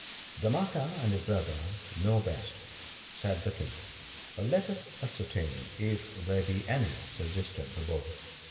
' 1 Damanaka and his brother know best,' said the King. ' Let us ascertain if there be any,' suggested the Bull.